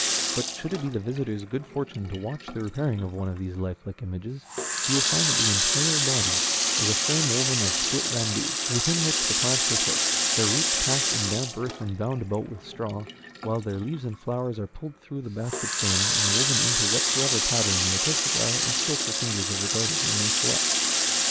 But, should it be the visitor's good fortune to watch the repairing of one of these lifelike images, he will find that the entire body is a frame woven of split bamboo, within which the plants are placed, their roots packed in damp earth and bound about with straw, while their leaves and flowers are pulled through the basket frame and woven into whatsoever pattern the artistic eye and skillful fingers of the gardener may select.